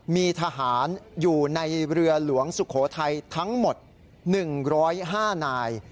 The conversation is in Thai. มีทหารอยู่ในเรือหลวงสุโขทัยทั้งหมด๑๐๕นาย